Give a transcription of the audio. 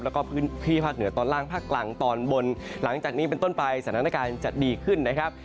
แล้วก็พื้นที่ภาคเหนือตอนล่างภาคกลางตอนบนหลังจากนี้เป็นต้นไปสถานการณ์จะดีขึ้นนะครับ